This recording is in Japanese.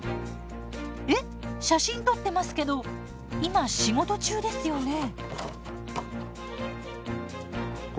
えっ写真撮ってますけど今仕事中ですよね？